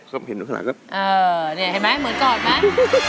สวัสดีครับคุณหน่อย